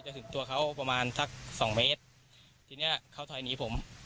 ถึงตัวเขาประมาณสักสองเมตรทีเนี้ยเขาถอยหนีผม